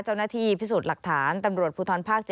เจ้าหน้าที่พิสูจน์หลักฐานตำรวจภูทรภาค๗